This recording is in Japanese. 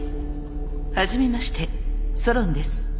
初めましてソロンです。